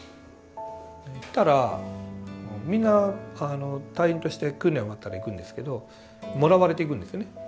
行ったらみんな隊員として訓練終わったら行くんですけどもらわれていくんですよね。